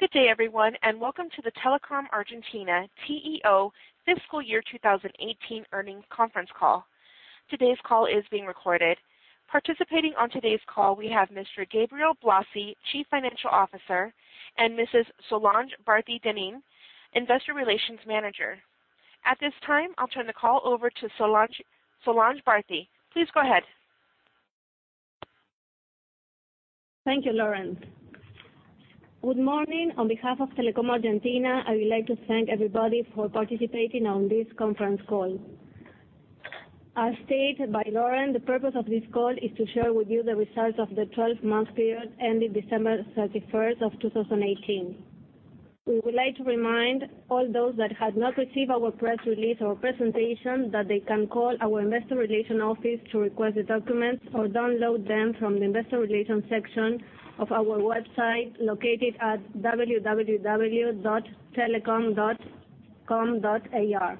Good day, everyone, welcome to the Telecom Argentina TEO Fiscal Year 2018 Earnings Conference Call. Today's call is being recorded. Participating on today's call, we have Mr. Gabriel Blasi, Chief Financial Officer, and Mrs. Solange Barthe Dennin, Investor Relations Manager. At this time, I'll turn the call over to Solange Barthe. Please go ahead. Thank you, Lauren. Good morning. On behalf of Telecom Argentina, I would like to thank everybody for participating on this conference call. As stated by Lauren, the purpose of this call is to share with you the results of the 12-month period ending December 31st of 2018. We would like to remind all those that have not received our press release or presentation that they can call our Investor Relations office to request the documents or download them from the Investor Relations section of our website located at www.telecom.com.ar.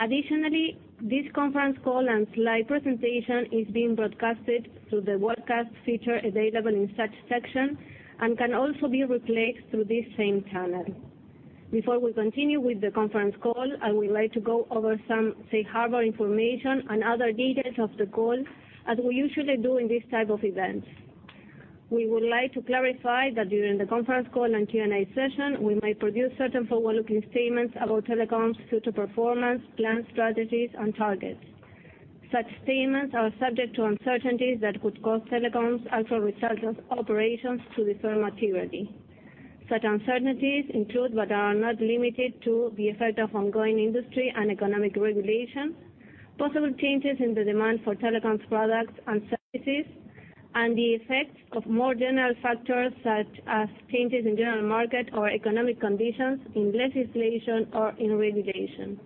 Additionally, this conference call and slide presentation is being broadcasted through the webcast feature available in such section and can also be replayed through this same channel. Before we continue with the conference call, I would like to go over some safe harbor information and other details of the call as we usually do in these type of events. We would like to clarify that during the conference call and Q&A session, we may produce certain forward-looking statements about Telecom's future performance, plan, strategies, and targets. Such statements are subject to uncertainties that could cause Telecom's actual results of operations to differ materially. Such uncertainties include, but are not limited to the effect of ongoing industry and economic regulation, possible changes in the demand for Telecom's products and services, and the effects of more general factors such as changes in general market or economic conditions, in legislation or in regulation.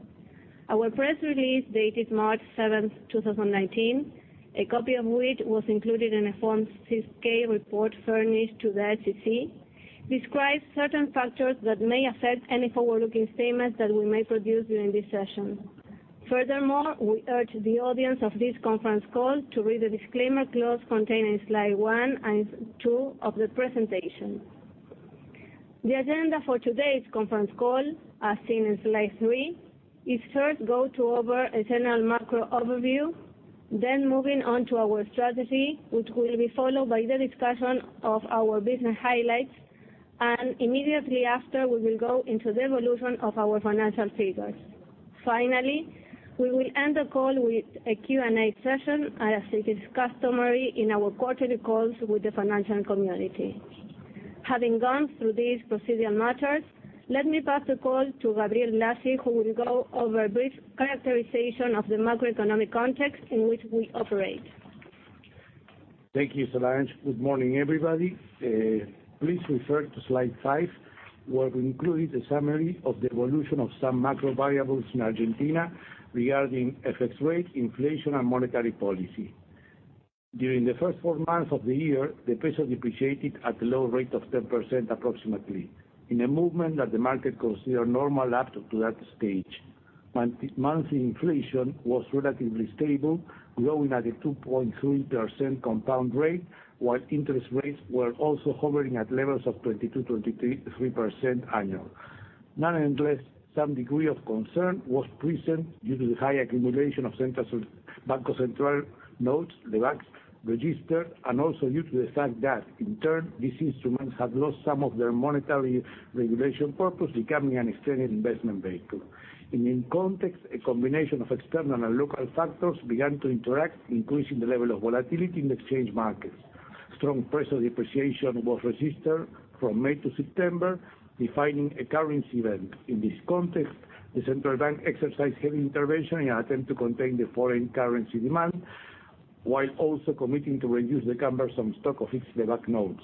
Our press release dated March 7th, 2019, a copy of which was included in a Form 6-K report furnished to the SEC, describes certain factors that may affect any forward-looking statements that we may produce during this session. Furthermore, we urge the audience of this conference call to read the disclaimer clause contained in Slide one and two of the presentation. The agenda for today's conference call, as seen in Slide three, is first go over a general macro overview, moving on to our strategy, which will be followed by the discussion of our business highlights, immediately after, we will go into the evolution of our financial figures. Finally, we will end the call with a Q&A session, as it is customary in our quarterly calls with the financial community. Having gone through these procedural matters, let me pass the call to Gabriel Blasi, who will go over a brief characterization of the macroeconomic context in which we operate. Thank you, Solange. Good morning, everybody. Please refer to Slide five, where we included a summary of the evolution of some macro variables in Argentina regarding FX rate, inflation, and monetary policy. During the first four months of the year, the peso depreciated at a low rate of 10% approximately in a movement that the market considered normal up to that stage. Monthly inflation was relatively stable, growing at a 2.3% compound rate, while interest rates were also hovering at levels of 22%, 23% annual. Nonetheless, some degree of concern was present due to the high accumulation of Banco Central notes, LEBACs registered, and also due to the fact that, in turn, these instruments have lost some of their monetary regulation purpose, becoming an extended investment vehicle. A combination of external and local factors began to interact, increasing the level of volatility in exchange markets. Strong peso depreciation was registered from May to September, defining a currency event. In this context, the Central Bank exercised heavy intervention in an attempt to contain the foreign currency demand, while also committing to reduce the cumbersome stock of its LEBAC notes,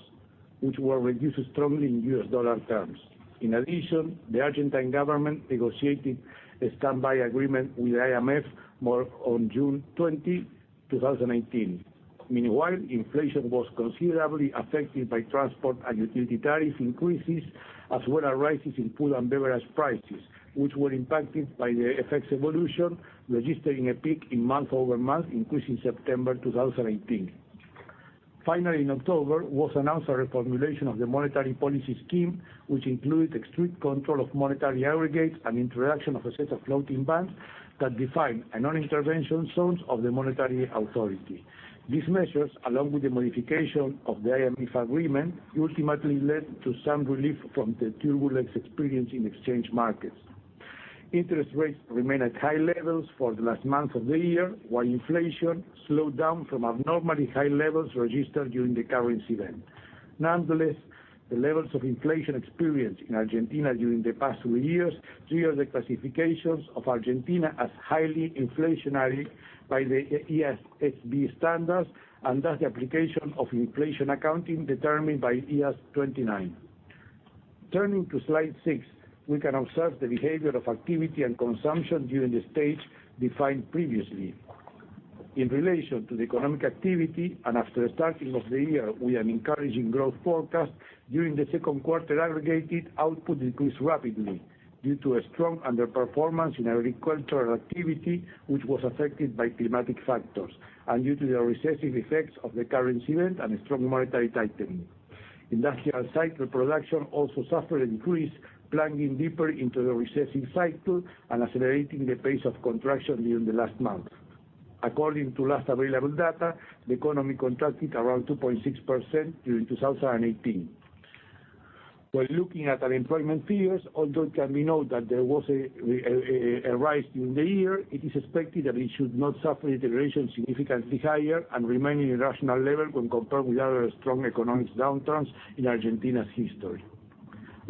which were reduced strongly in US dollar terms. In addition, the Argentine government negotiated a standby agreement with the IMF on June 20, 2018. Meanwhile, inflation was considerably affected by transport and utility tariff increases, as well as rises in food and beverage prices, which were impacted by the effects evolution, registering a peak in month-over-month increase in September 2018. Finally, in October was announced a reformulation of the monetary policy scheme, which included strict control of monetary aggregates and introduction of a set of floating bands that define a non-intervention zones of the monetary authority. These measures, along with the modification of the IMF agreement, ultimately led to some relief from the turbulence experienced in exchange markets. Interest rates remain at high levels for the last month of the year, while inflation slowed down from abnormally high levels registered during the currency event. Nonetheless, the levels of inflation experienced in Argentina during the past three years trigger the classifications of Argentina as highly inflationary by the IASB standards and thus the application of inflation accounting determined by IAS 29. Turning to Slide six, we can observe the behavior of activity and consumption during the stage defined previously. In relation to the economic activity and after the starting of the year with an encouraging growth forecast, during the second quarter aggregated output decreased rapidly due to a strong underperformance in agricultural activity, which was affected by climatic factors and due to the recessive effects of the currency event and strong monetary tightening. Industrial cycle production also suffered an increase, plunging deeper into the recessive cycle and accelerating the pace of contraction during the last month. According to last available data, the economy contracted around 2.6% during 2018. When looking at unemployment figures, although it can be noted that there was a rise during the year, it is expected that it should not suffer deterioration significantly higher and remain at a rational level when compared with other strong economic downturns in Argentina's history.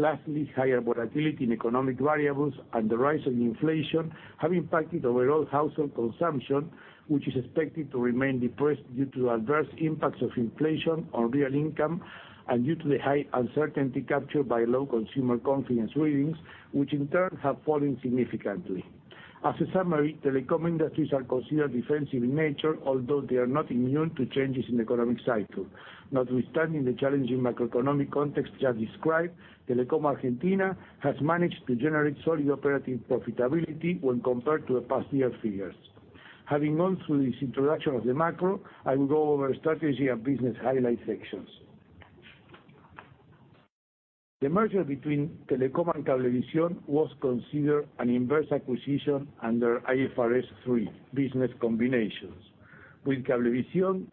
Lastly, higher volatility in economic variables and the rise in inflation have impacted overall household consumption, which is expected to remain depressed due to adverse impacts of inflation on real income and due to the high uncertainty captured by low consumer confidence readings, which in turn have fallen significantly. As a summary, telecom industries are considered defensive in nature, although they are not immune to changes in the economic cycle. Notwithstanding the challenging macroeconomic context just described, Telecom Argentina has managed to generate solid operating profitability when compared to the past year figures. Having gone through this introduction of the macro, I will go over strategy and business highlight sections. The merger between Telecom and Cablevisión was considered an inverse acquisition under IFRS 3, business combinations, with Cablevisión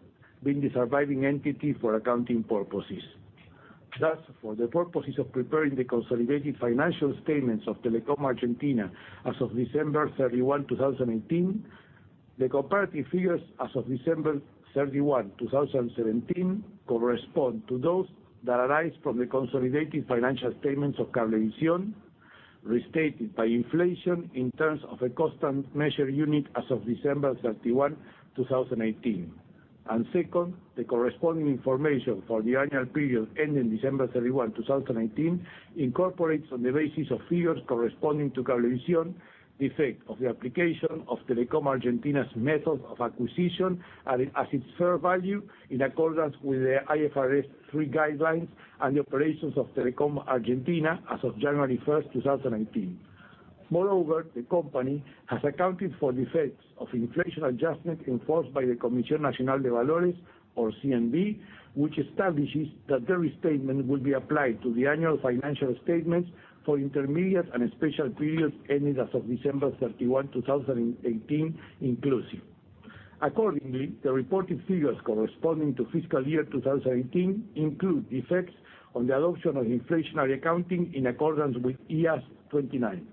being the surviving entity for accounting purposes. Thus, for the purposes of preparing the consolidated financial statements of Telecom Argentina as of December 31, 2018, the comparative figures as of December 31, 2017, correspond to those that arise from the consolidated financial statements of Cablevisión, restated by inflation in terms of a constant measure unit as of December 31, 2018. Second, the corresponding information for the annual period ending December 31, 2018, incorporates on the basis of figures corresponding to Cablevisión, the effect of the application of Telecom Argentina's method of acquisition as its fair value in accordance with the IFRS 3 guidelines and the operations of Telecom Argentina as of January 1st, 2018. Moreover, the company has accounted for the effects of inflation adjustment enforced by the Comisión Nacional de Valores, or CNV, which establishes that the restatement will be applied to the annual financial statements for intermediate and special periods ending as of December 31, 2018, inclusive. Accordingly, the reported figures corresponding to fiscal year 2018 include the effects on the adoption of inflationary accounting in accordance with IAS 29.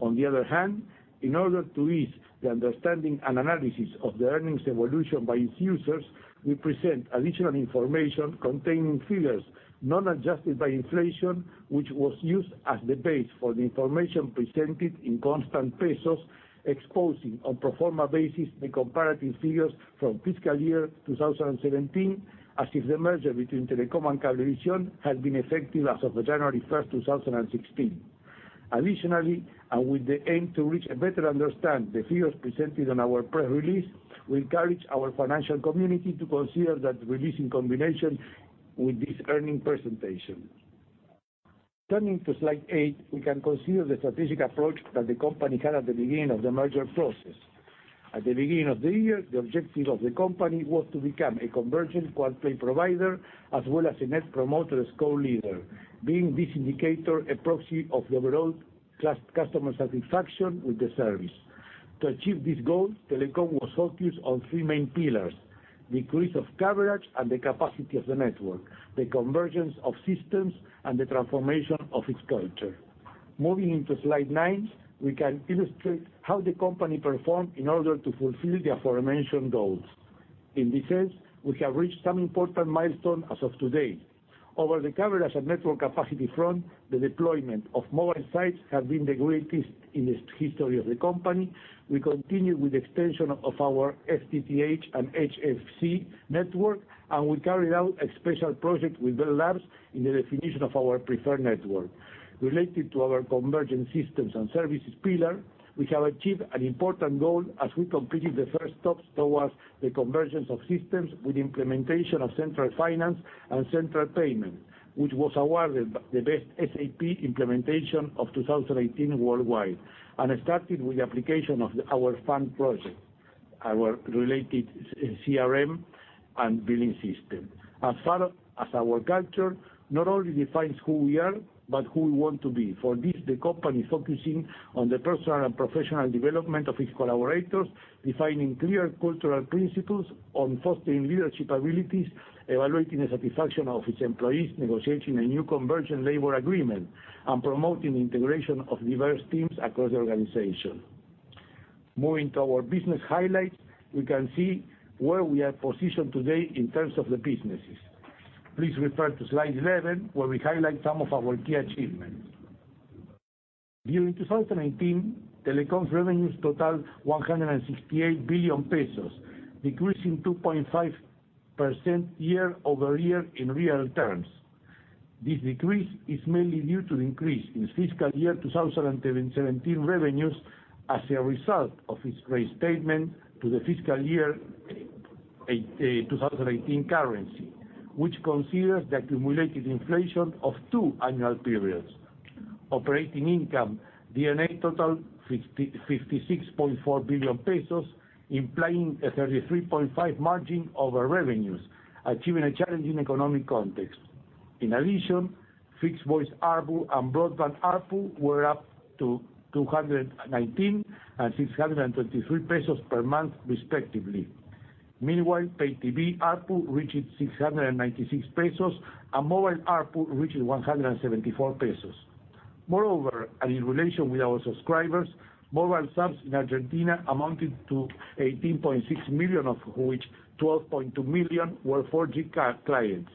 On the other hand, in order to ease the understanding and analysis of the earnings evolution by its users, we present additional information containing figures non-adjusted by inflation, which was used as the base for the information presented in constant pesos, exposing on pro forma basis the comparative figures from fiscal year 2017, as if the merger between Telecom and Cablevisión had been effective as of January 1st, 2016. Additionally, with the aim to reach a better understand the figures presented on our press release, we encourage our financial community to consider that release in combination with this earning presentation. Turning to slide eight, we can consider the strategic approach that the company had at the beginning of the merger process. At the beginning of the year, the objective of the company was to become a convergent quad play provider, as well as a net promoter score leader, being this indicator a proxy of the overall customer satisfaction with the service. To achieve this goal, Telecom was focused on three main pillars: the increase of coverage and the capacity of the network, the convergence of systems, and the transformation of its culture. Moving into slide nine, we can illustrate how the company performed in order to fulfill the aforementioned goals. In this sense, we have reached some important milestones as of today. Over the coverage and network capacity front, the deployment of mobile sites has been the greatest in the history of the company. We continue with the extension of our FTTH and HFC network. We carried out a special project with Bell Labs in the definition of our preferred network. Related to our convergent systems and services pillar, we have achieved an important goal as we completed the first stop towards the convergence of systems with implementation of central finance and central payment, which was awarded the best SAP implementation of 2018 worldwide and started with the application of our ONE project, our related CRM and billing system. As far as our culture, not only defines who we are, but who we want to be. For this, the company focusing on the personal and professional development of its collaborators, defining clear cultural principles on fostering leadership abilities, evaluating the satisfaction of its employees, negotiating a new conversion labor agreement, and promoting the integration of diverse teams across the organization. Moving to our business highlights, we can see where we are positioned today in terms of the businesses. Please refer to slide 11, where we highlight some of our key achievements. During 2019, Telecom's revenues totaled 168 billion pesos, decreasing 2.5% year-over-year in real terms. This decrease is mainly due to the increase in fiscal year 2017 revenues as a result of its restatement to the fiscal year 2018 currency, which considers the accumulated inflation of two annual periods. Operating income D&A totaled 56.4 billion pesos, implying a 33.5% margin over revenues, achieving a challenging economic context. In addition, fixed voice ARPU and broadband ARPU were up to 219 and 623 pesos per month, respectively. Meanwhile, Pay TV ARPU reached 696 pesos, and mobile ARPU reached 174 pesos. Moreover, in relation with our subscribers, mobile subs in Argentina amounted to 18.6 million, of which 12.2 million were 4G clients.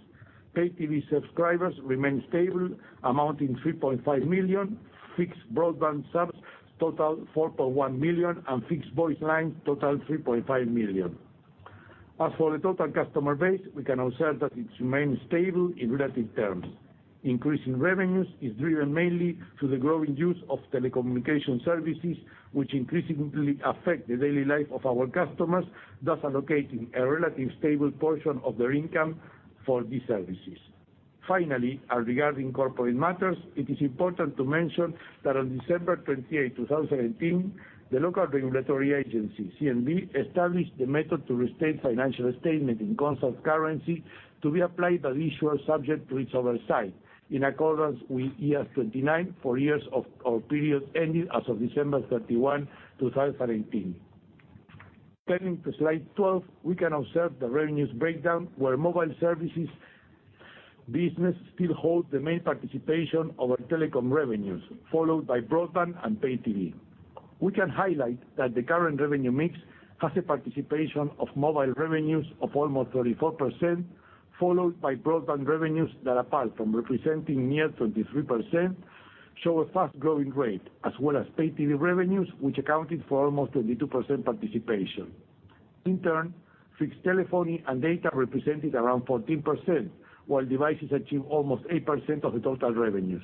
Pay TV subscribers remained stable, amounting 3.5 million, fixed broadband subs total 4.1 million, and fixed voice lines total 3.5 million. As for the total customer base, we can observe that it's remained stable in relative terms. Increasing revenues is driven mainly through the growing use of telecommunication services, which increasingly affect the daily life of our customers, thus allocating a relative stable portion of their income for these services. Finally, regarding corporate matters, it is important to mention that on December 28, 2018, the local regulatory agency, CNV, established the method to restate financial statement in concept currency to be applied by the issuer subject to its oversight, in accordance with IAS 29 for years of our period ending as of December 31, 2018. Turning to slide 12, we can observe the revenues breakdown, where mobile services business still hold the main participation over Telecom revenues, followed by broadband and Pay TV. We can highlight that the current revenue mix has a participation of mobile revenues of almost 34%, followed by broadband revenues that, apart from representing near 23%, show a fast-growing rate, as well as Pay TV revenues, which accounted for almost 22% participation. In turn, fixed telephony and data represented around 14%, while devices achieved almost 8% of the total revenues.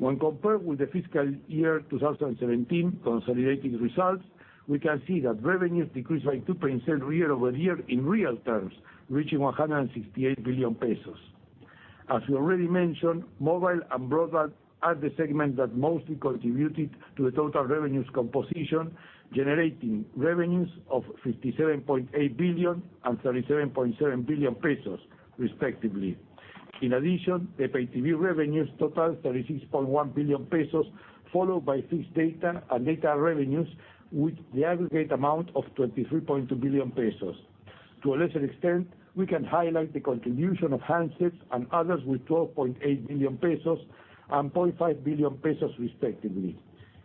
When compared with the fiscal year 2017 consolidating results, we can see that revenues decreased by 2% year-over-year in real terms, reaching 168 billion pesos. As we already mentioned, mobile and broadband are the segment that mostly contributed to the total revenues composition, generating revenues of 57.8 billion and 37.7 billion pesos, respectively. In addition, the Pay TV revenues totaled 36.1 billion pesos, followed by fixed data and data revenues with the aggregate amount of 23.2 billion pesos. To a lesser extent, we can highlight the contribution of handsets and others with 12.8 billion pesos and 0.5 billion pesos respectively.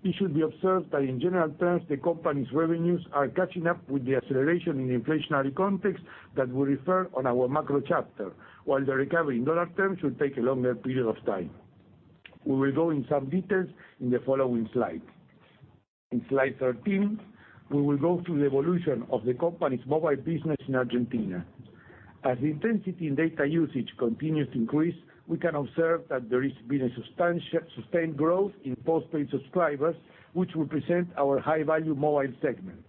It should be observed that in general terms, the company's revenues are catching up with the acceleration in inflationary context that we refer on our macro chapter, while the recovery in dollar terms should take a longer period of time. We will go in some details in the following slide. In slide 13, we will go through the evolution of the company's mobile business in Argentina. As the intensity in data usage continues to increase, we can observe that there has been a sustained growth in post-paid subscribers, which represent our high-value mobile segment.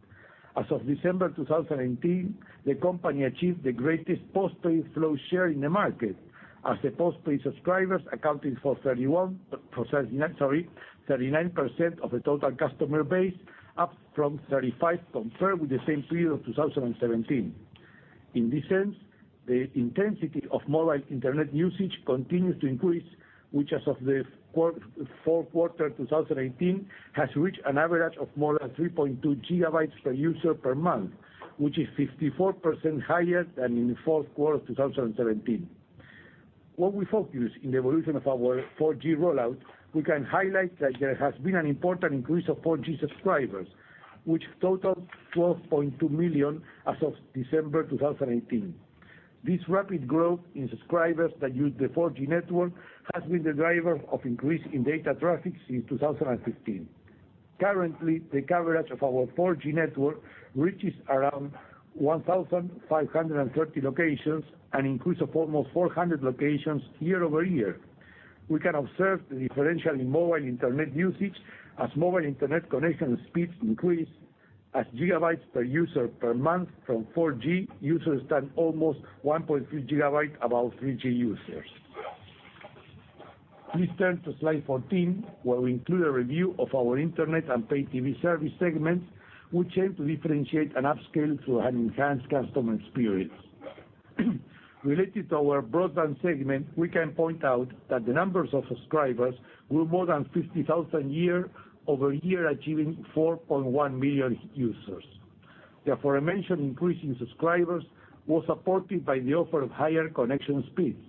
As of December 2018, the company achieved the greatest post-paid Flow share in the market, as the post-paid subscribers accounted for 39% of the total customer base, up from 35 compared with the same period of 2017. In this sense, the intensity of mobile internet usage continues to increase, which as of the fourth quarter 2018, has reached an average of more than 3.2 gigabytes per user per month, which is 54% higher than in the fourth quarter of 2017. When we focus in the evolution of our 4G rollout, we can highlight that there has been an important increase of 4G subscribers, which totaled 12.2 million as of December 2018. This rapid growth in subscribers that use the 4G network has been the driver of increase in data traffic since 2016. Currently, the coverage of our 4G network reaches around 1,530 locations, an increase of almost 400 locations year-over-year. We can observe the differential in mobile internet usage as mobile internet connection speeds increase as gigabytes per user per month from 4G users than almost 1.3 gigabytes above 3G users. Please turn to slide 14, where we include a review of our internet and Pay TV service segments, which help to differentiate and upscale through an enhanced customer experience. Related to our broadband segment, we can point out that the numbers of subscribers were more than 50,000 year-over-year, achieving 4.1 million users. The aforementioned increase in subscribers was supported by the offer of higher connection speeds.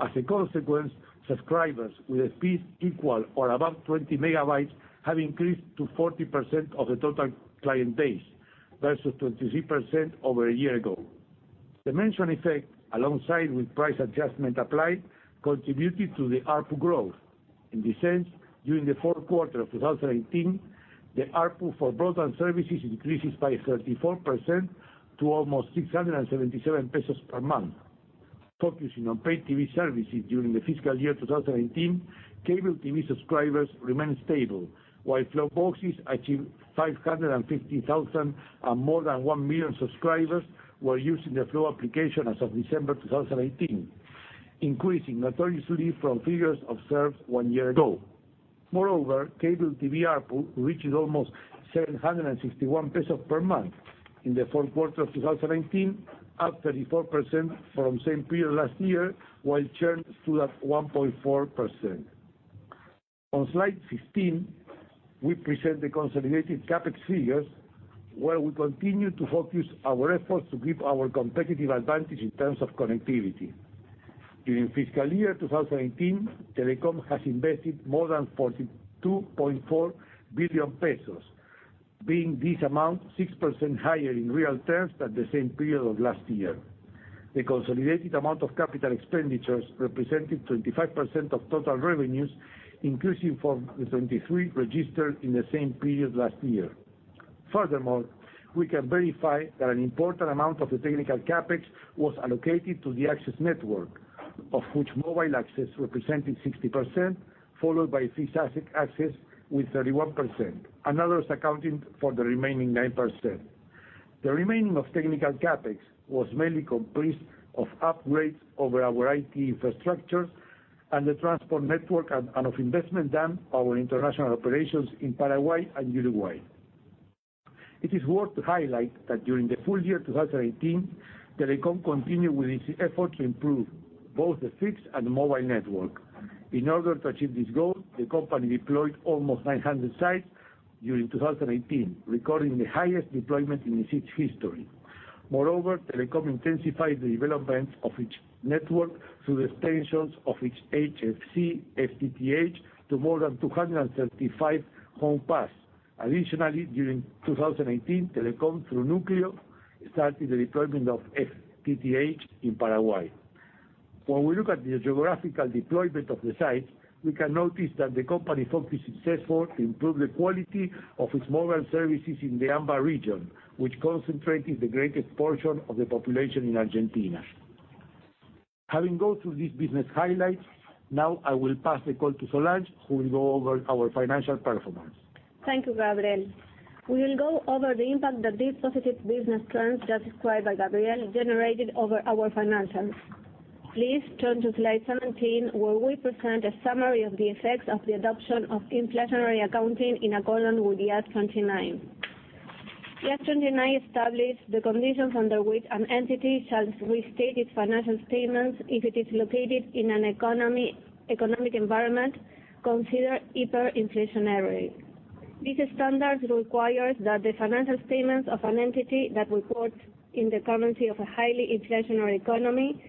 As a consequence, subscribers with a speed equal or above 20 megabytes have increased to 40% of the total client base versus 23% over a year ago. The mentioned effect, alongside with price adjustment applied, contributed to the ARPU growth. In this sense, during the fourth quarter of 2018, the ARPU for broadband services increases by 34% to almost 677 pesos per month. Focusing on Pay TV services during the fiscal year 2018, cable TV subscribers remained stable, while Flow boxes achieved 550,000 and more than 1 million subscribers were using the Flow application as of December 2018. Increasing notoriously from figures observed one year ago. Moreover, cable TV ARPU reached almost 761 pesos per month in the fourth quarter of 2018, up 34% from same period last year, while churn stood at 1.4%. On slide 15, we present the consolidated CapEx figures, where we continue to focus our efforts to give our competitive advantage in terms of connectivity. During fiscal year 2018, Telecom has invested more than 42.4 billion pesos, being this amount 6% higher in real terms at the same period of last year. The consolidated amount of capital expenditures represented 25% of total revenues, increasing from the 23% registered in the same period last year. Furthermore, we can verify that an important amount of the technical CapEx was allocated to the access network, of which mobile access represented 60%, followed by fixed access with 31%, and others accounting for the remaining 9%. The remaining of technical CapEx was mainly comprised of upgrades over our IT infrastructure and the transport network and of investment done our international operations in Paraguay and Uruguay. It is worth to highlight that during the full year 2018, Telecom continued with its effort to improve both the fixed and mobile network. In order to achieve this goal, the company deployed almost 900 sites during 2018, recording the highest deployment in its history. Moreover, Telecom intensified the development of its network through the extensions of its HFC, FTTH to more than 275 home passed. Additionally, during 2018, Telecom, through Núcleo, started the deployment of FTTH in Paraguay. When we look at the geographical deployment of the sites, we can notice that the company focused its effort to improve the quality of its mobile services in the AMBA region, which concentrated the greatest portion of the population in Argentina. Having gone through these business highlights, now I will pass the call to Solange, who will go over our financial performance. Thank you, Gabriel. We will go over the impact that these positive business trends just described by Gabriel generated over our financials. Please turn to slide 17, where we present a summary of the effects of the adoption of inflationary accounting in accordance with IAS 29. IAS 29 established the conditions under which an entity shall restate its financial statements if it is located in an economic environment considered hyperinflationary. This standard requires that the financial statements of an entity that reports in the currency of a highly inflationary economy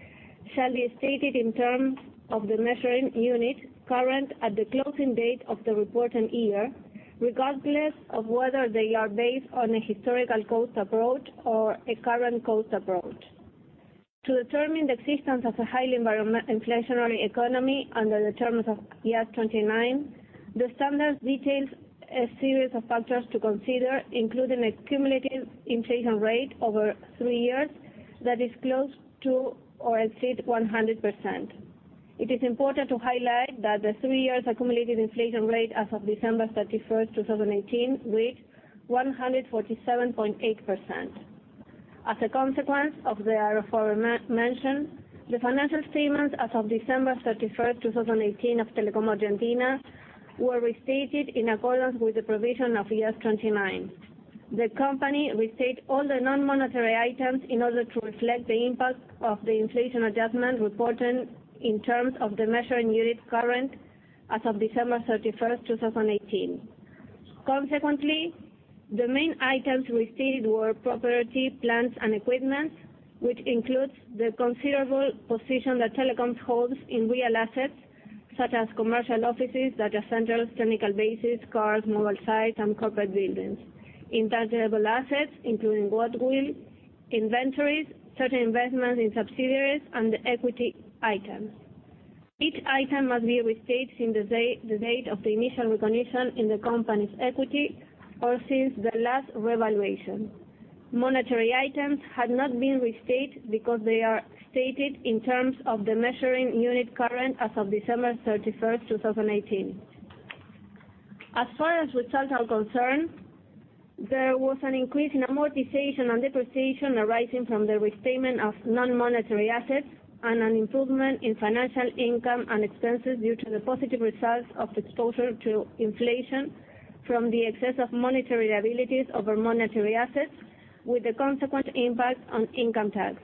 shall be stated in terms of the measuring unit current at the closing date of the reporting year, regardless of whether they are based on a historical cost approach or a current cost approach. To determine the existence of a highly inflationary economy under the terms of IAS 29, the standard details a series of factors to consider, including a cumulative inflation rate over three years that is close to or exceeds 100%. It is important to highlight that the three years accumulated inflation rate as of December 31, 2018, reached 147.8%. As a consequence of the aforementioned, the financial statements as of December 31, 2018, of Telecom Argentina, were restated in accordance with the provision of IAS 29. The company restated all the non-monetary items in order to reflect the impact of the inflation adjustment reported in terms of the measuring unit current as of December 31, 2018. Consequently, the main items restated were property, plant, and equipment, which includes the considerable position that Telecom holds in real assets, such as commercial offices, data centers, technical bases, cars, mobile sites, and corporate buildings. Intangible assets, including goodwill, inventories, certain investments in subsidiaries, and the equity items. Each item must be restated since the date of the initial recognition in the company's equity or since the last revaluation. Monetary items had not been restated because they are stated in terms of the measuring unit current as of December 31, 2018. As far as results are concerned, there was an increase in amortization and depreciation arising from the restatement of non-monetary assets and an improvement in financial income and expenses due to the positive results of exposure to inflation from the excess of monetary liabilities over monetary assets, with the consequent impact on income tax.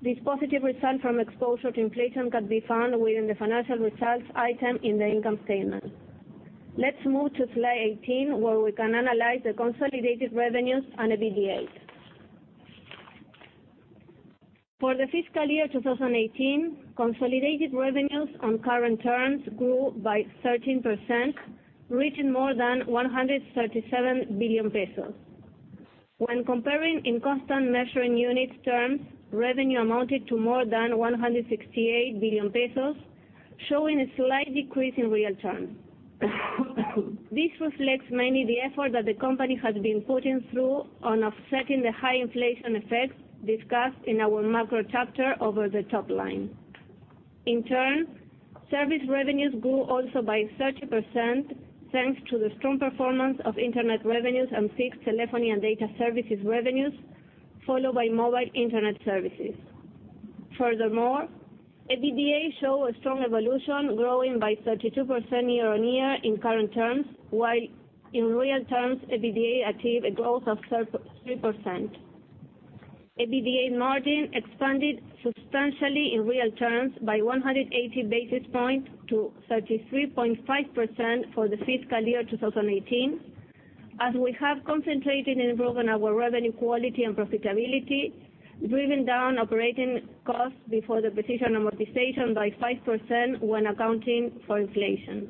This positive result from exposure to inflation can be found within the financial results item in the income statement. Let's move to slide 18, where we can analyze the consolidated revenues and EBITDA. For the fiscal year 2018, consolidated revenues on current terms grew by 13%, reaching more than 137 billion pesos. When comparing in constant measuring units terms, revenue amounted to more than 168 billion pesos, showing a slight decrease in real terms. This reflects mainly the effort that the company has been putting through on offsetting the high inflation effects discussed in our macro chapter over the top line. In turn, service revenues grew also by 30% thanks to the strong performance of internet revenues and fixed telephony and data services revenues, followed by mobile internet services. Furthermore, EBITDA showed a strong evolution, growing by 32% year-on-year in current terms, while in real terms, EBITDA achieved a growth of 3%. EBITDA margin expanded substantially in real terms by 180 basis points to 33.5% for the fiscal year 2018, as we have concentrated on improving our revenue quality and profitability, driven down operating costs before the depreciation and amortization by 5% when accounting for inflation.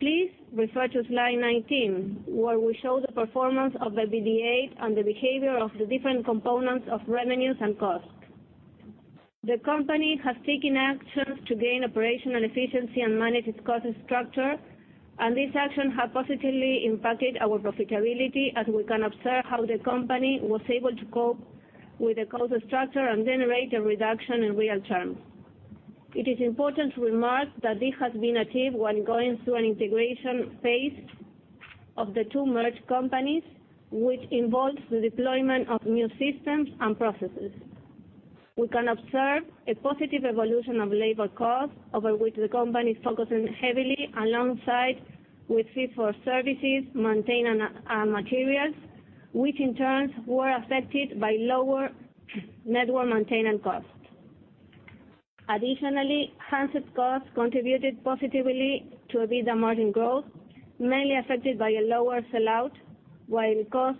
Please refer to Slide 19, where we show the performance of EBITDA and the behavior of the different components of revenues and costs. The company has taken actions to gain operational efficiency and manage its cost structure, and this action has positively impacted our profitability, as we can observe how the company was able to cope with the cost structure and generate a reduction in real terms. It is important to remark that this has been achieved when going through an integration phase of the two merged companies, which involves the deployment of new systems and processes. We can observe a positive evolution of labor cost, over which the company is focusing heavily alongside with fee for services, maintenance and materials, which in turn were affected by lower network maintenance costs. Additionally, handset costs contributed positively to EBITDA margin growth, mainly affected by a lower sell-out, while cost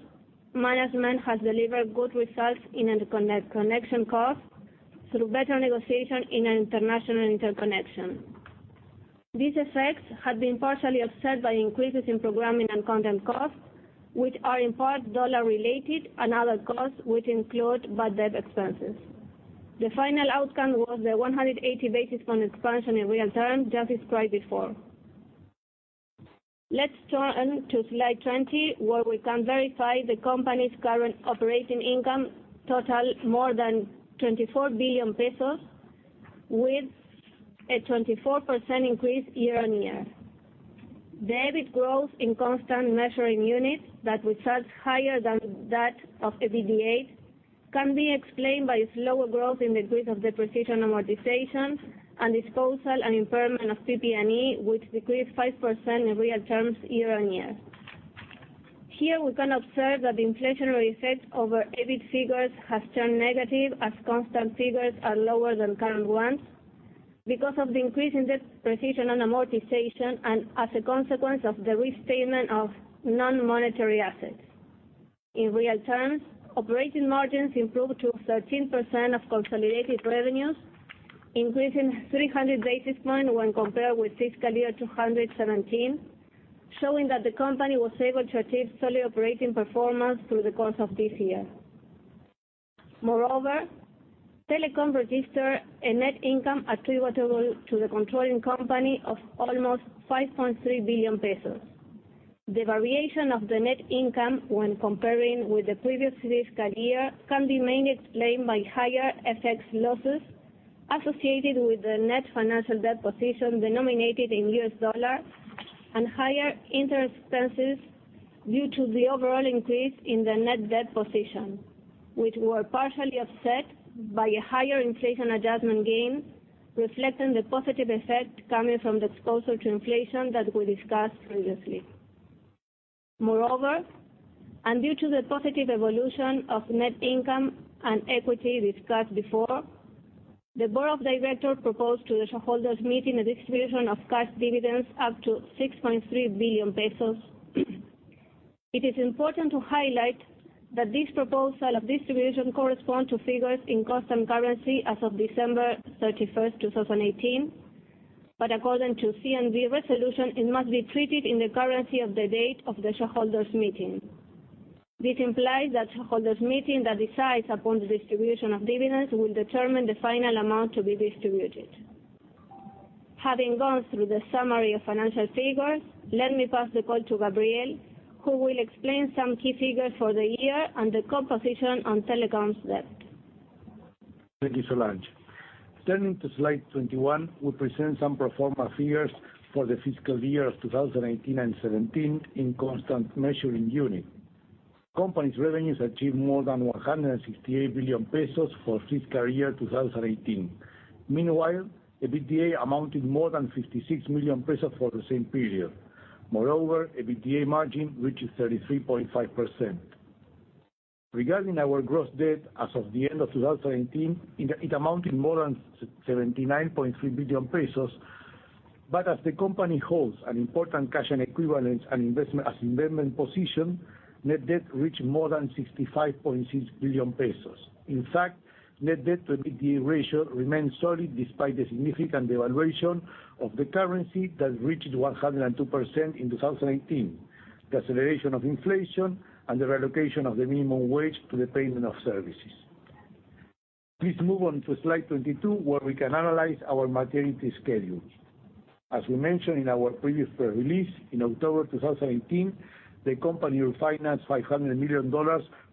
management has delivered good results in interconnection costs through better negotiation in international interconnection. These effects have been partially offset by increases in programming and content costs, which are in part dollar related, and other costs which include bad debt expenses. The final outcome was the 180 basis points expansion in real terms, just described before. Let's turn to Slide 20, where we can verify the company's current operating income totaled more than 24 billion pesos with a 24% increase year-on-year. The EBIT growth in constant measuring units that results higher than that of EBITDA can be explained by slower growth in decrease of depreciation, amortization, and disposal and impairment of PP&E, which decreased 5% in real terms year-on-year. Here we can observe that the inflationary effect over EBIT figures has turned negative as constant figures are lower than current ones because of the increase in depreciation and amortization and as a consequence of the restatement of non-monetary assets. In real terms, operating margins improved to 13% of consolidated revenues, increasing 300 basis points when compared with fiscal year 2017, showing that the company was able to achieve solid operating performance through the course of this year. Moreover, Telecom registered a net income attributable to the controlling company of almost 5.3 billion pesos. The variation of the net income when comparing with the previous fiscal year can be mainly explained by higher FX losses associated with the net financial debt position denominated in USD and higher interest expenses due to the overall increase in the net debt position, which were partially offset by a higher inflation adjustment gain, reflecting the positive effect coming from the exposure to inflation that we discussed previously. Moreover, due to the positive evolution of net income and equity discussed before, the board of directors proposed to the shareholders meeting a distribution of cash dividends up to 6.3 billion pesos. It is important to highlight that this proposal of distribution corresponds to figures in constant currency as of December 31st, 2018. According to CNV resolution, it must be treated in the currency of the date of the shareholders meeting. This implies that shareholders meeting that decides upon the distribution of dividends will determine the final amount to be distributed. Having gone through the summary of financial figures, let me pass the call to Gabriel, who will explain some key figures for the year and the composition on Telecom's debt. Thank you, Solange. Turning to Slide 21, we present some pro forma figures for the fiscal year of 2018 and 2017 in constant measuring unit. Company's revenues achieved more than 168 billion pesos for fiscal year 2018. Meanwhile, EBITDA amounted more than 56 billion pesos for the same period. Moreover, EBITDA margin reaches 33.5%. Regarding our gross debt as of the end of 2018, it amounted to more than 79.3 billion pesos. But as the company holds an important cash and equivalent and investment position, net debt reached more than 65.6 billion pesos. In fact, net debt-to-EBITDA ratio remains solid despite the significant devaluation of the currency that reached 102% in 2018, the acceleration of inflation, and the relocation of the minimum wage to the payment of services. Please move on to Slide 22, where we can analyze our maturity schedule. As we mentioned in our previous press release, in October 2018, the company will finance $500 million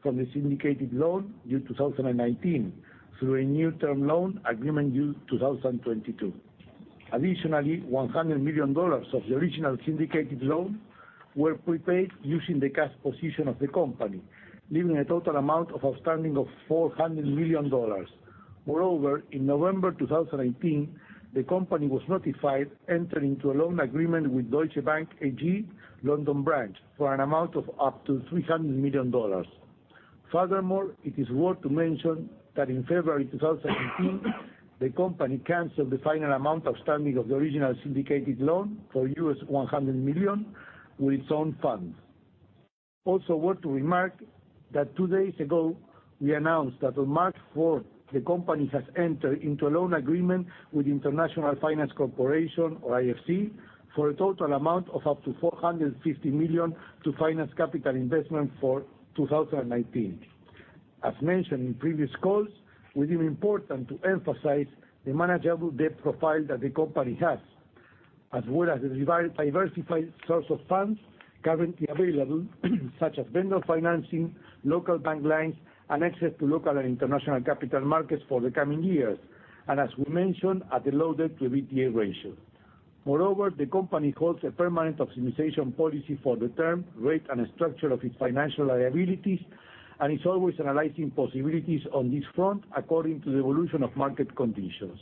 from the syndicated loan due 2019 through a new term loan agreement due 2022. Additionally, $100 million of the original syndicated loan were prepaid using the cash position of the company, leaving a total amount outstanding of $400 million. Moreover, in November 2018, the company was notified to enter into a loan agreement with Deutsche Bank AG, London Branch, for an amount of up to $300 million. Furthermore, it is worth mentioning that in February 2018, the company canceled the final amount outstanding of the original syndicated loan for $100 million with its own funds. Also worth remarking that two days ago, we announced that on March 4th, the company has entered into a loan agreement with International Finance Corporation, or IFC, for a total amount of up to $450 million to finance capital investment for 2019. As mentioned in previous calls, we deem it important to emphasize the manageable debt profile that the company has, as well as the diversified source of funds currently available, such as vendor financing, local bank lines, and access to local and international capital markets for the coming years. As we mentioned, at a low debt-to-EBITDA ratio. Moreover, the company holds a permanent optimization policy for the term, rate, and structure of its financial liabilities, and is always analyzing possibilities on this front according to the evolution of market conditions.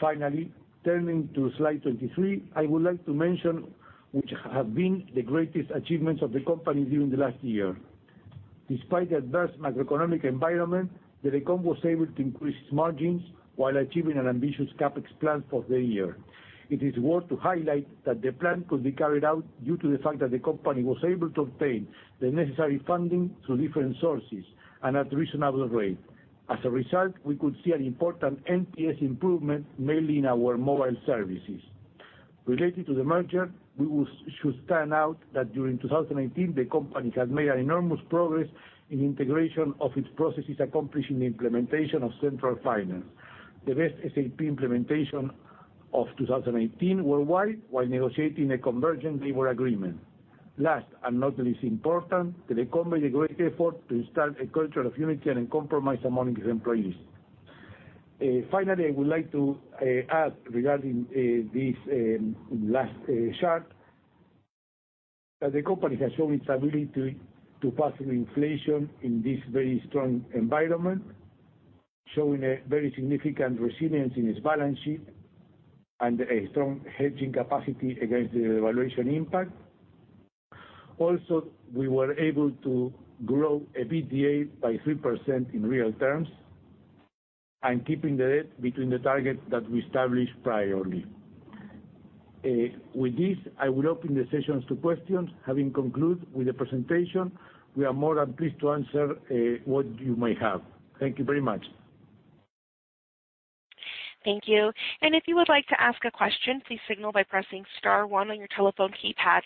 Finally, turning to Slide 23, I would like to mention which have been the greatest achievements of the company during the last year. Despite the adverse macroeconomic environment, Telecom was able to increase margins while achieving an ambitious CapEx plan for the year. It is worth highlighting that the plan could be carried out due to the fact that the company was able to obtain the necessary funding through different sources, and at reasonable rates. As a result, we could see an important NPS improvement, mainly in our mobile services. Related to the merger, we should stand out that during 2018, the company has made enormous progress in the integration of its processes, accomplishing the implementation of central finance, the best SAP implementation of 2018 worldwide, while negotiating a convergent labor agreement. Last, not least important, Telecom made a great effort to start a culture of unity and compromise among its employees. Finally, I would like to add regarding this last chart, that the company has shown its ability to pass through inflation in this very strong environment, showing very significant resilience in its balance sheet and a strong hedging capacity against the devaluation impact. Also, we were able to grow EBITDA by 3% in real terms, keeping the debt between the target that we established priorly. With this, I will open the session to questions, having concluded with the presentation. We are more than pleased to answer what you may have. Thank you very much. Thank you. If you would like to ask a question, please signal by pressing star one on your telephone keypad.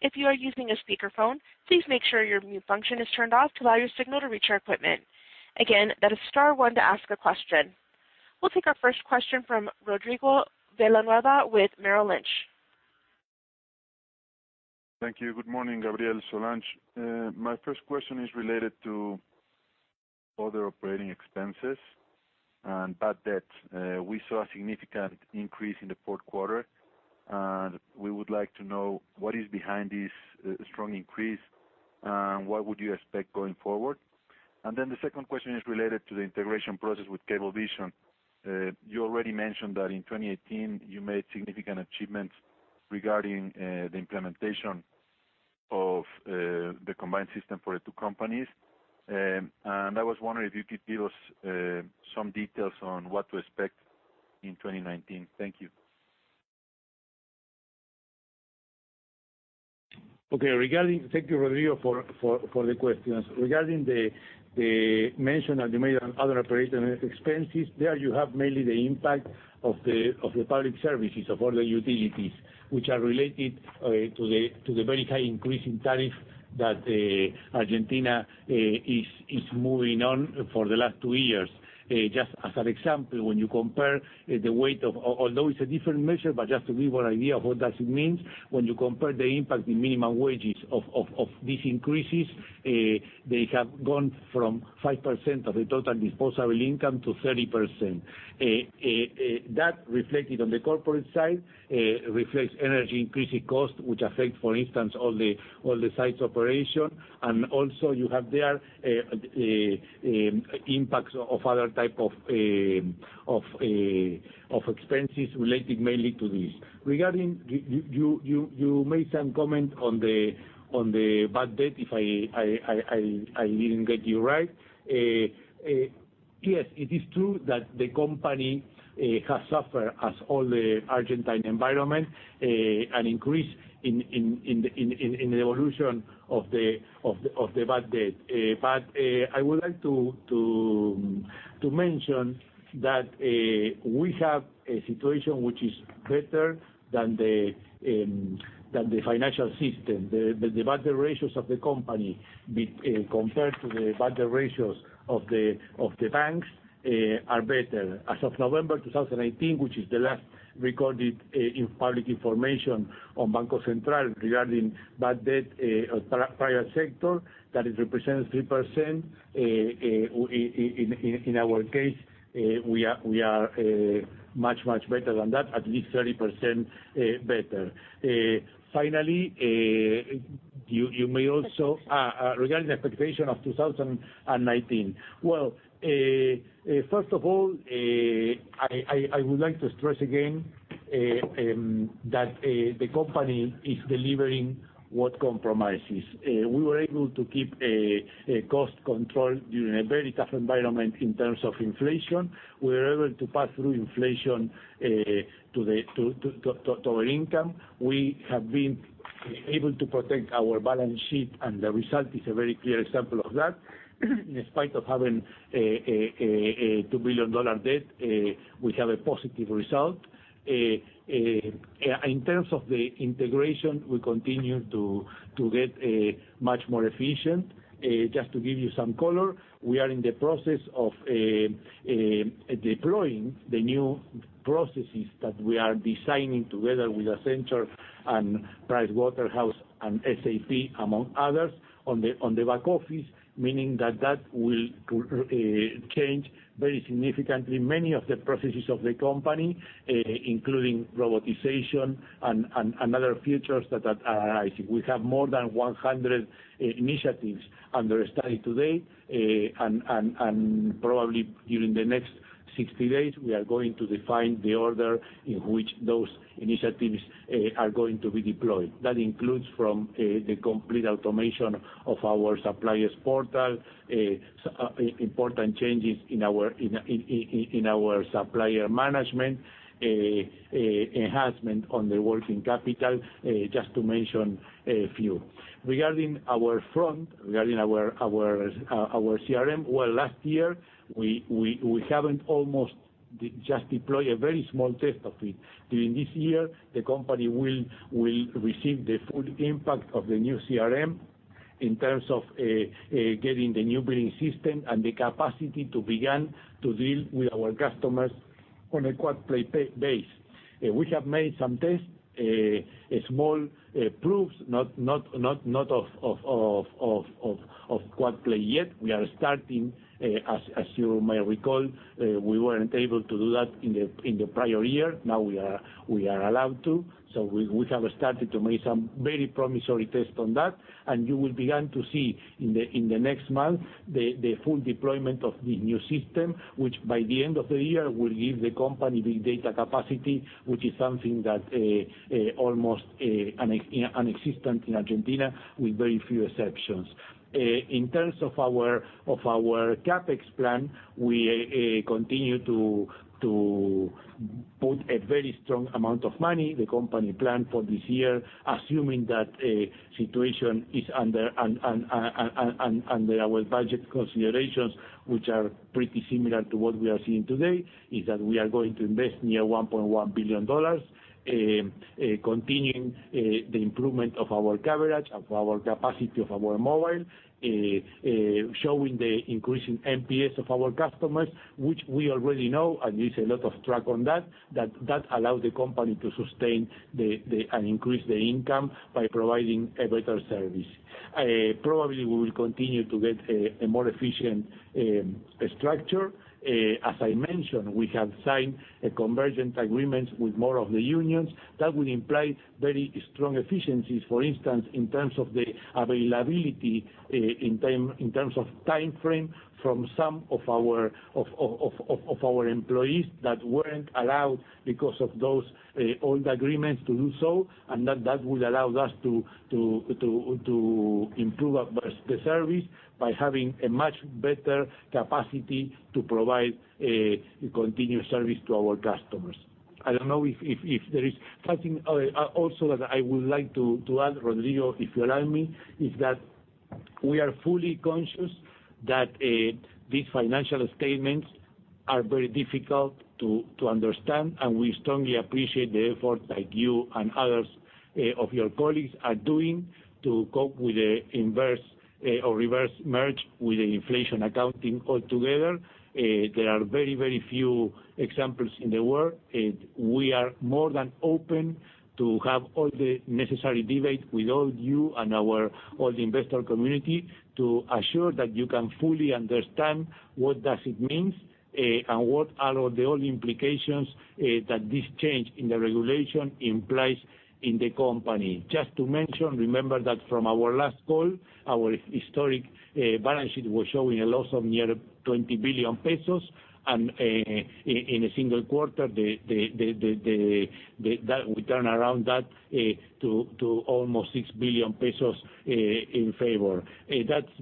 If you are using a speakerphone, please make sure your mute function is turned off to allow your signal to reach our equipment. Again, that is star one to ask a question. We'll take our first question from Rodrigo Villanueva with Merrill Lynch. Thank you. Good morning, Gabriel, Solange. My first question is related to other operating expenses and bad debt. We saw a significant increase in the fourth quarter, we would like to know what is behind this strong increase, what would you expect going forward? The second question is related to the integration process with Cablevisión. You already mentioned that in 2018, you made significant achievements regarding the implementation of the combined system for the two companies. I was wondering if you could give us some details on what to expect in 2019. Thank you. Okay. Thank you, Rodrigo, for the questions. Regarding the mention that you made on other operating expenses, there you have mainly the impact of the public services of all the utilities, which are related to the very high increase in tariff that Argentina is moving on for the last two years. Just as an example, although it's a different measure, but just to give you an idea of what does it mean, when you compare the impact in minimum wages of these increases, they have gone from 5% of the total disposable income to 30%. That reflected on the corporate side, reflects energy increasing costs, which affect, for instance, all the site's operation. Also you have there the impacts of other types of expenses related mainly to this. Regarding, you made some comment on the bad debt, if I didn't get you right. Yes, it is true that the company has suffered, as all the Argentine environment, an increase in the evolution of the bad debt. I would like to mention that we have a situation which is better than the financial system. The bad debt ratios of the company compared to the bad debt ratios of the banks are better. As of November 2018, which is the last recorded public information on Banco Central regarding bad debt private sector, that it represents 3%. In our case, we are much better than that, at least 30% better. Finally, regarding the expectation of 2019. Well, first of all, I would like to stress again that the company is delivering what compromises. We were able to keep cost control during a very tough environment in terms of inflation. We were able to pass through inflation to our income. We have been able to protect our balance sheet, and the result is a very clear example of that. In spite of having a ARS 2 billion debt, we have a positive result. In terms of the integration, we continue to get much more efficient. Just to give you some color, we are in the process of deploying the new processes that we are designing together with Accenture and Pricewaterhouse and SAP, among others, on the back office, meaning that that will change very significantly many of the processes of the company, including robotization and other features that are rising. We have more than 100 initiatives under study today, and probably during the next 60 days, we are going to define the order in which those initiatives are going to be deployed. That includes from the complete automation of our suppliers portal, important changes in our supplier management, enhancement on the working capital, just to mention a few. Regarding our front, regarding our CRM, well, last year, we haven't almost just deployed a very small test of it. During this year, the company will receive the full impact of the new CRM in terms of getting the new billing system and the capacity to begin to deal with our customers on a quad play base. We have made some tests, small proofs, not of quad play yet. We are starting. As you may recall, we weren't able to do that in the prior year. Now we are allowed to. We have started to make some very promising tests on that, and you will begin to see in the next month the full deployment of the new system, which by the end of the year will give the company big data capacity, which is something that almost inexistent in Argentina with very few exceptions. In terms of our CapEx plan, we continue to put a very strong amount of money. The company planned for this year, assuming that situation is under our budget considerations, which are pretty similar to what we are seeing today, is that we are going to invest near $1.1 billion, continuing the improvement of our coverage, of our capacity of our mobile, showing the increasing NPS of our customers, which we already know, and there's a lot of track on that allows the company to sustain and increase the income by providing a better service. Probably, we will continue to get a more efficient structure. As I mentioned, we have signed convergent agreements with more of the unions. That will imply very strong efficiencies, for instance, in terms of the availability in terms of time frame from some of our employees that weren't allowed because of those old agreements to do so, and that would allow us to improve the service by having a much better capacity to provide a continued service to our customers. I don't know if there is something also that I would like to add, Rodrigo, if you allow me, is that we are fully conscious that these financial statements are very difficult to understand, and we strongly appreciate the effort like you and others of your colleagues are doing to cope with the reverse merge with the inflation accounting altogether. There are very few examples in the world. We are more than open to have all the necessary debate with all you and all the investor community to assure that you can fully understand what does it means and what are all the implications that this change in the regulation implies in the company. Just to mention, remember that from our last call, our historic balance sheet was showing a loss of near 20 billion pesos, and in a single quarter, we turn around that to almost 6 billion pesos in favor.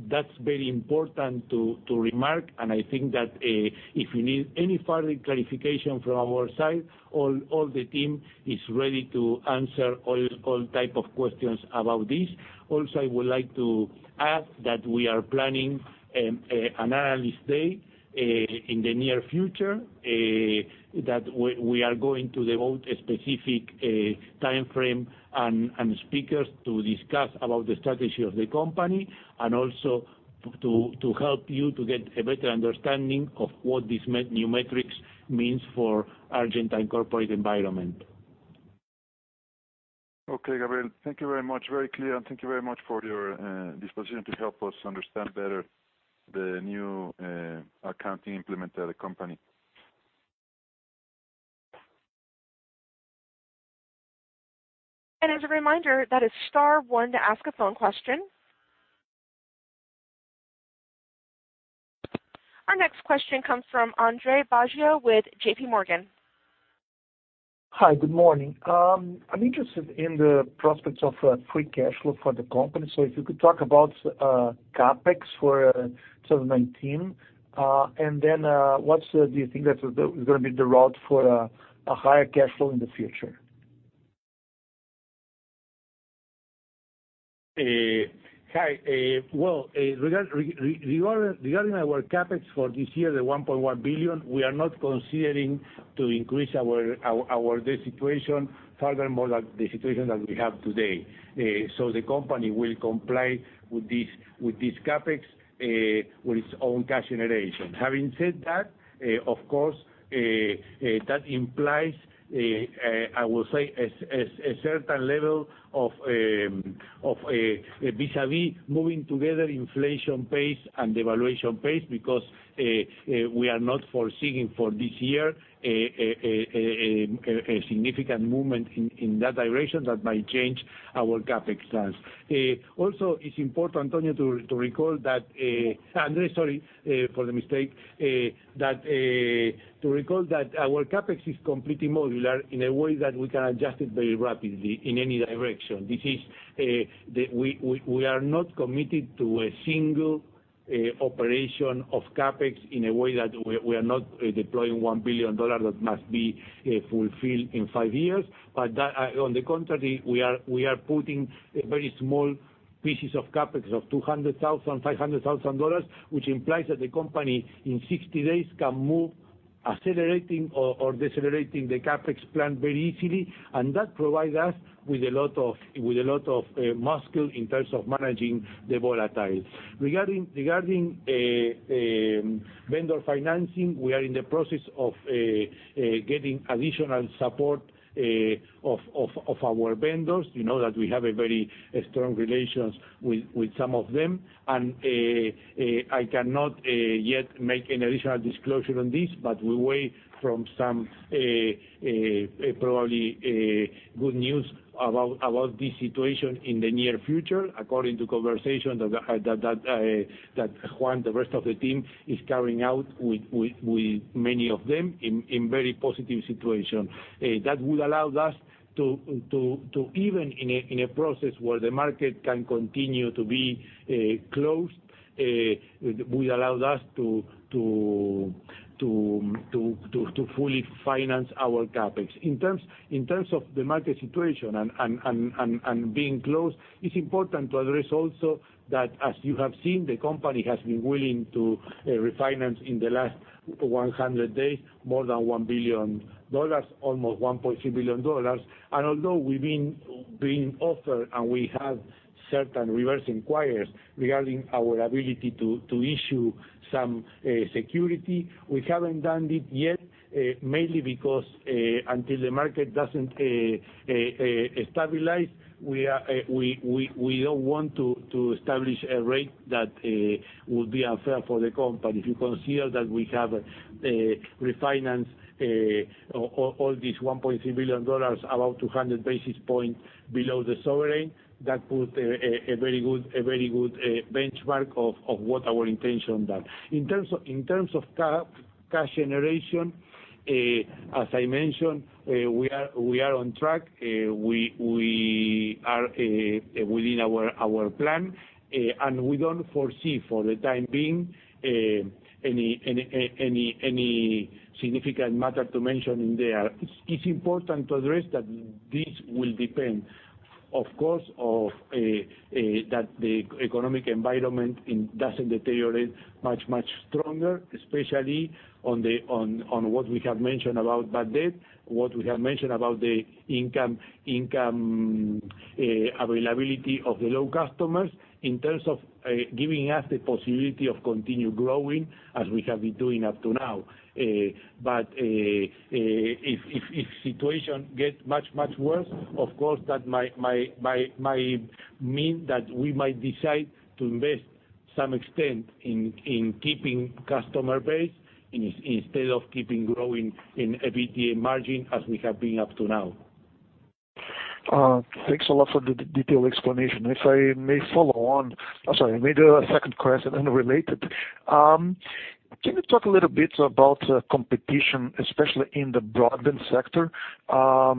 That's very important to remark, and I think that if you need any further clarification from our side, all the team is ready to answer all type of questions about this. I would like to add that we are planning an analyst day in the near future, that we are going to devote a specific time frame and speakers to discuss about the strategy of the company and also to help you to get a better understanding of what this new metrics means for Argentine corporate environment. Gabriel, thank you very much. Very clear, thank you very much for your disposition to help us understand better the new accounting implemented at the company. As a reminder, that is star one to ask a phone question. Our next question comes from Andre Baggio with JP Morgan. Hi, good morning. I'm interested in the prospects of free cash flow for the company. If you could talk about CapEx for 2019, what do you think is going to be the route for a higher cash flow in the future? Hi. Well, regarding our CapEx for this year, the 1.1 billion, we are not considering to increase our situation further more than the situation that we have today. The company will comply with this CapEx with its own cash generation. Having said that, of course, that implies, I will say, a certain level of vis-à-vis moving together inflation pace and devaluation pace because we are not foreseeing for this year a significant movement in that direction that might change our CapEx stance. It's important, Antonio, Andre, sorry for the mistake, to recall that our CapEx is completely modular in a way that we can adjust it very rapidly in any direction. We are not committed to a single operation of CapEx in a way that we are not deploying ARS 1 billion that must be fulfilled in five years. On the contrary, we are putting very small pieces of CapEx of 200,000, ARS 500,000, which implies that the company in 60 days can move accelerating or decelerating the CapEx plan very easily, and that provides us with a lot of muscle in terms of managing the volatile. Regarding vendor financing, we are in the process of getting additional support of our vendors. You know that we have very strong relations with some of them, and I cannot yet make any additional disclosure on this, but we wait from some probably good news about this situation in the near future, according to conversations that Juan, the rest of the team, is carrying out with many of them in very positive situation. That would allow us to, even in a process where the market can continue to be closed, fully finance our CapEx. In terms of the market situation and being closed, it's important to address also that as you have seen, the company has been willing to refinance in the last 100 days, more than ARS 1 billion, almost ARS 1.3 billion. Although we've been offered and we have certain reversing inquiries regarding our ability to issue some security, we haven't done it yet, mainly because until the market doesn't stabilize, we don't want to establish a rate that would be unfair for the company. If you consider that we have refinanced all this ARS 1.3 billion, about 200 basis points below the sovereign, that put a very good benchmark of what our intention is. In terms of cash generation, as I mentioned, we are on track. We are within our plan, we don't foresee for the time being any significant matter to mention there. It's important to address that this will depend, of course, that the economic environment doesn't deteriorate much stronger, especially on what we have mentioned about bad debt, what we have mentioned about the income availability of the low customers in terms of giving us the possibility of continue growing as we have been doing up to now. If the situation gets much worse, of course that might mean that we might decide to invest some extent in keeping customer base instead of keeping growing in EBITDA margin as we have been up to now. Thanks a lot for the detailed explanation. If I may follow on, sorry, maybe a second question and related. Can you talk a little bit about competition, especially in the broadband sector?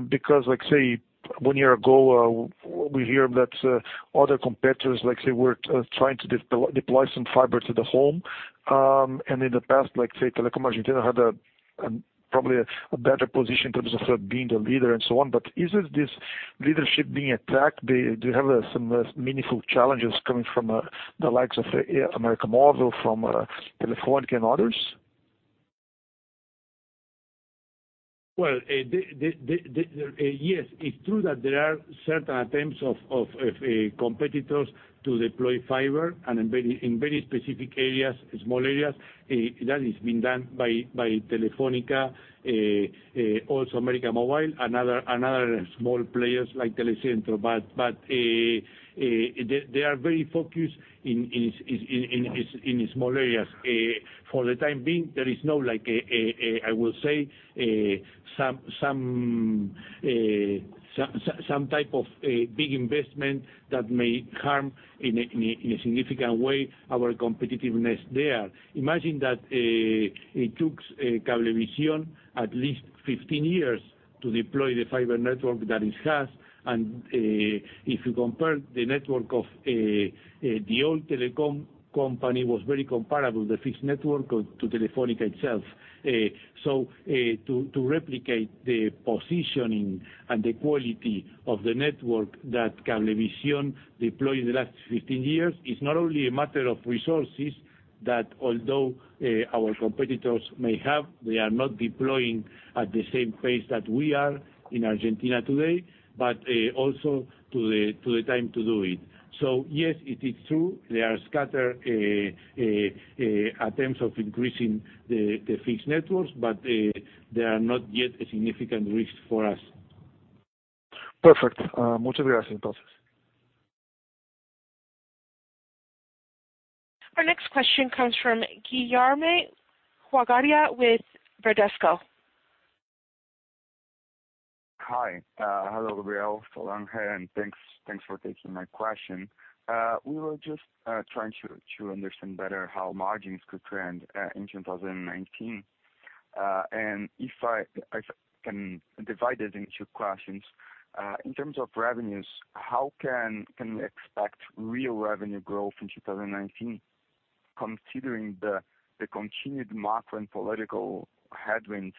Because say one year ago, we hear that other competitors, say, were trying to deploy some fiber to the home. In the past, say, Telecom Argentina had probably a better position in terms of being the leader and so on. Is this leadership being attacked? Do you have some meaningful challenges coming from the likes of América Móvil, from Telefonica, and others? Well, yes, it is true that there are certain attempts of competitors to deploy fiber in very specific areas, small areas. That has been done by Telefónica, also América Móvil, another small players like Telecentro. They are very focused in small areas. For the time being, there is no, I will say, some type of big investment that may harm, in a significant way, our competitiveness there. Imagine that it took Cablevisión at least 15 years to deploy the fiber network that it has. If you compare the network of the old telecom company, was very comparable, the fixed network, to Telefónica itself. To replicate the positioning and the quality of the network that Cablevisión deployed in the last 15 years is not only a matter of resources, that although our competitors may have, they are not deploying at the same pace that we are in Argentina today, but also to the time to do it. Yes, it is true, there are scattered attempts of increasing the fixed networks, but they are not yet a significant risk for us. Perfect. Our next question comes from Guilherme Jogaib with Bradesco. Hi. Hello, Gabriel, Solange, Thanks for taking my question. We were just trying to understand better how margins could trend, in 2019. If I can divide it into questions, in terms of revenues, how can we expect real revenue growth in 2019 considering the continued macro and political headwinds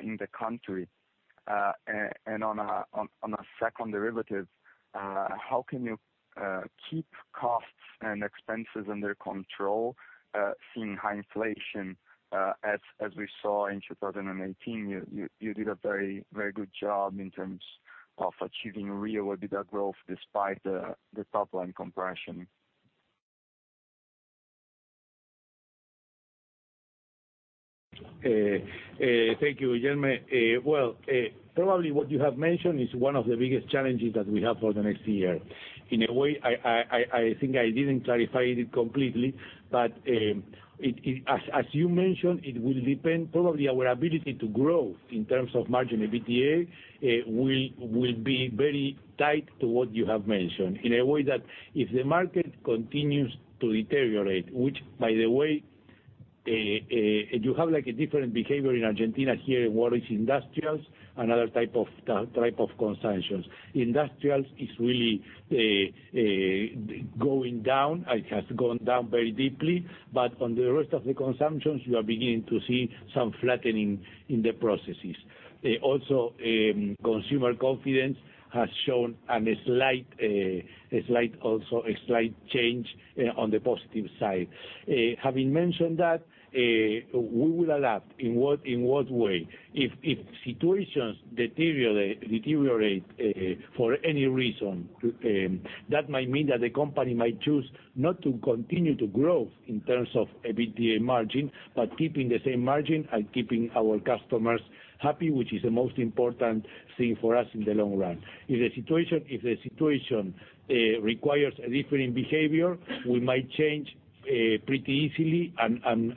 in the country? On a second derivative, how can you keep costs and expenses under control, seeing high inflation? As we saw in 2018, you did a very good job in terms of achieving real EBITDA growth despite the top-line compression. Thank you, Guilherme. Well, probably what you have mentioned is one of the biggest challenges that we have for the next year. In a way, I think I didn't clarify it completely, but as you mentioned, probably our ability to grow in terms of margin EBITDA, will be very tied to what you have mentioned. In a way that if the market continues to deteriorate, which by the way, you have a different behavior in Argentina here in what is industrials, another type of consumptions. Industrials is really going down. It has gone down very deeply, but on the rest of the consumptions, you are beginning to see some flattening in the processes. Also, consumer confidence has shown also a slight change on the positive side. Having mentioned that, we will adapt. In what way? If situations deteriorate for any reason, that might mean that the company might choose not to continue to grow in terms of EBITDA margin, but keeping the same margin and keeping our customers happy, which is the most important thing for us in the long run. If the situation requires a different behavior, we might change pretty easily and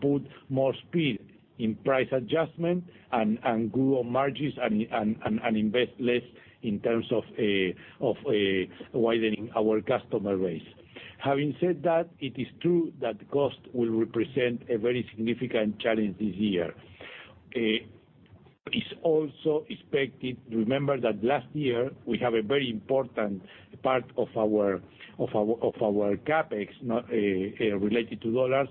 put more speed in price adjustment and grow our margins and invest less in terms of widening our customer base. Having said that, it is true that cost will represent a very significant challenge this year. It's also expected, remember that last year we have a very important part of our CapEx not related to $.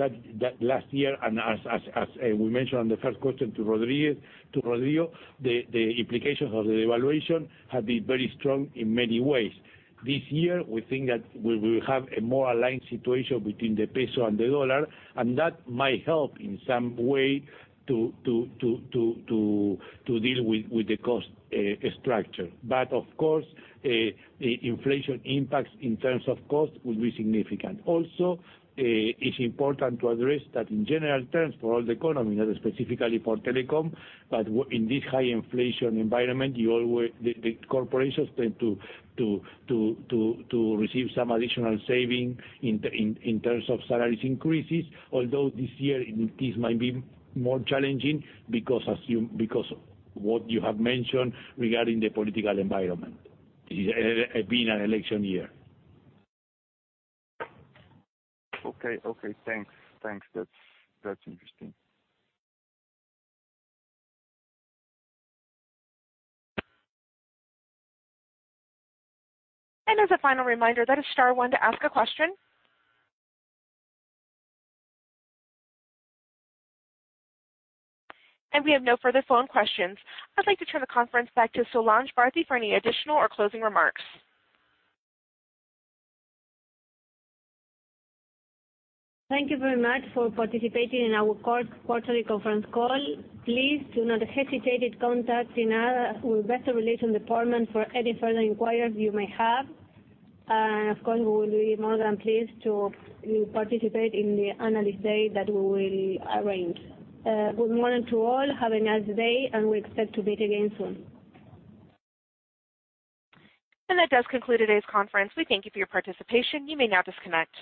That last year, and as we mentioned on the first question to Rodrigo, the implications of the devaluation have been very strong in many ways. This year, we think that we will have a more aligned situation between the peso and the dollar, and that might help in some way to deal with the cost structure. Of course, the inflation impacts in terms of cost will be significant. It's important to address that in general terms for all the economy, not specifically for telecom, but in this high inflation environment, the corporations tend to receive some additional saving in terms of salaries increases. Although this year, this might be more challenging because what you have mentioned regarding the political environment, it being an election year. Okay. Thanks. That's interesting. As a final reminder, that is star one to ask a question. We have no further phone questions. I'd like to turn the conference back to Solange Barthe for any additional or closing remarks. Thank you very much for participating in our quarterly conference call. Please do not hesitate to contact our investor relations department for any further inquiries you may have. Of course, we will be more than pleased to participate in the analyst day that we will arrange. Good morning to all, have a nice day, and we expect to meet again soon. That does conclude today's conference. We thank you for your participation. You may now disconnect.